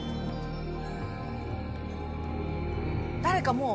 誰かもう。